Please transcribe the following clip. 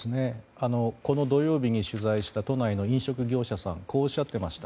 この土曜日に取材した都内の飲食業者さんこうおっしゃっていました。